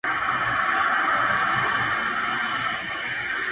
شراب مسجد کي، ميکده کي عبادت کومه,